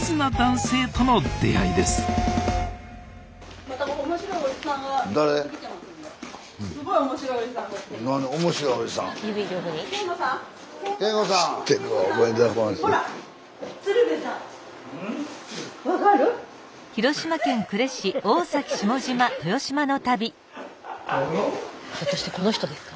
スタジオひょっとしてこの人ですか？